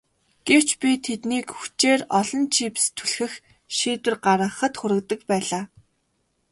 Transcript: Гэвч би тэднийг хүчээр олон чипс түлхэх шийдвэр гаргахад хүргэдэг байлаа.